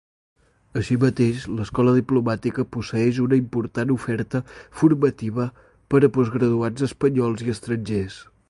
Així mateix, l'Escola Diplomàtica posseeix una important oferta formativa per a postgraduats espanyols i estrangers.